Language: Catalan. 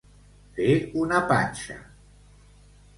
Fer una panxa.